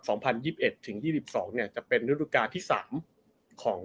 สองพันยี่สิบเอ็ดถึงยี่สิบสองเนี่ยจะเป็นฤดูกาลที่สามของ